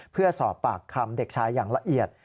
เพื่อสอบปากคำเด็กชายอย่างละเอียด